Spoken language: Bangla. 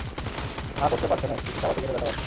হা করতে পারছে না, কিছু চাবাতে গেলে ব্যথা পাচ্ছে।